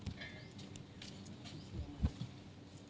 ไม่ถึงก็ยังพอ